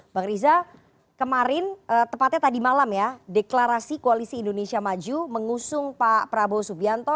bang riza kemarin tepatnya tadi malam ya deklarasi koalisi indonesia maju mengusung pak prabowo subianto